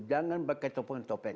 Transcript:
jangan pakai topeng topeng